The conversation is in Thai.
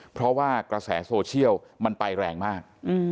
เพราะว่ากระแสโซเชียลมันไปแรงมาก